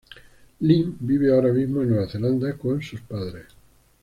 Lim vive ahora mismo en Nueva Zelanda con sus padres.